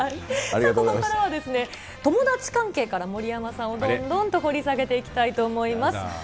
ここからは友達関係から森山さんをどんどんと掘り下げていきたいと思います。